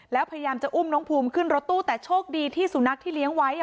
แล้วพยายามจะอุ้มน้องภูมิขึ้นรถตู้แต่โชคดีที่สุนัขที่เลี้ยงไว้